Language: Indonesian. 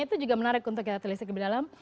itu juga menarik untuk kita tulisnya ke dalam